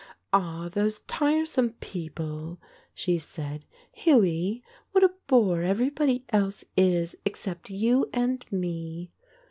"Ah, those tiresome people," she said. "Hughie, what a bore everybody else is except you and me."